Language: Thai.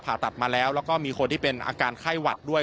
ผ่าตัดมาแล้วแล้วก็มีคนที่เป็นอาการไข้หวัดด้วย